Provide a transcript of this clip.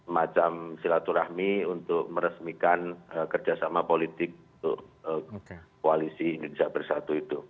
macam silaturahmi untuk meresmikan kerjasama politik untuk koalisi indonesia bersatu itu